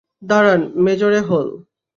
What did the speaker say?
দাঁড়ান, major a-hole!